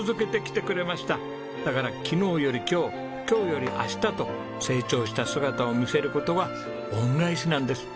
だから昨日より今日今日より明日と成長した姿を見せる事が恩返しなんです。